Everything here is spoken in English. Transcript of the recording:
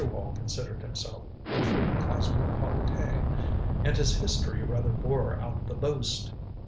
Wall considered himself the true cosmopolite, and his history rather bore out the boast.